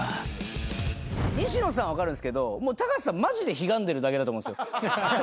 西野さんは分かるんすけどたかしさんマジでひがんでるだけだと思うんすよ。